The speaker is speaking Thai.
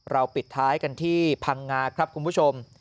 ปิดท้ายกันที่พังงาครับคุณผู้ชม